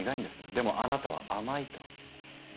でもあなたは甘いと。